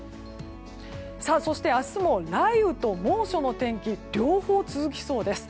そして、明日も雷雨と猛暑の天気両方続きそうです。